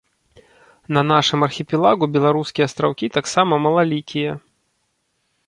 На нашым архіпелагу беларускія астраўкі таксама малалікія.